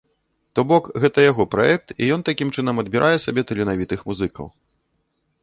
То бок, гэта яго праект і ён такім чынам адбірае сабе таленавітых музыкаў.